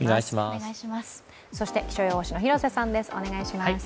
そして、気象予報士の広瀬さんです。